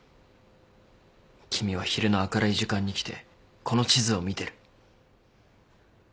君は昼の明るい時間に来てこの地図を見てる。